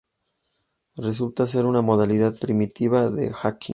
Resulta ser una modalidad primitiva de "hacking".